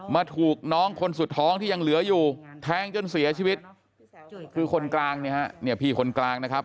มาถูกน้องคนสุดท้องที่ยังเหลืออยู่แทงจนเสียชีวิตคือคนกลางเนี่ยฮะเนี่ยพี่คนกลางนะครับ